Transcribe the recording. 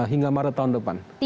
hingga maret tahun depan